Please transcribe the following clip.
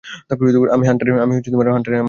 আমি হান্টারের আম্মু।